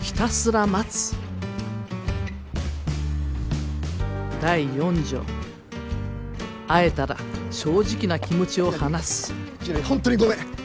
ひたすら待つ」「第四条会えたら正直な気持ちを話す」きなりホントにごめん！